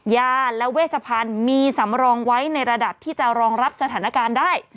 ยาและเวชพันธุ์มีสำรองไว้ในระดับที่จะรองรับสถานการณ์ได้